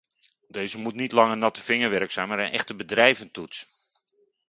Deze moet niet langer nattevingerwerk zijn, maar een echte bedrijventoets.